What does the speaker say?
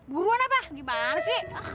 buruan apa gimana sih